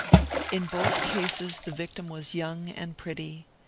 In both cases the victim was young and pretty.